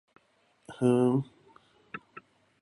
ふーん